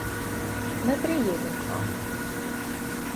Мы приедем к вам.